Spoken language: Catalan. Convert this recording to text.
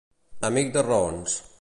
Amic de raons.